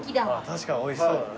確かにおいしそうだね。